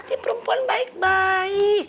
dia perempuan baik baik